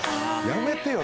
やめてよ